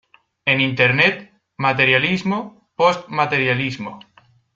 En Internet: materialismo-postmaterialismo.